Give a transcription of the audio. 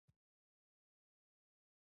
د انوریزم د رګ ګوټه کېدل دي.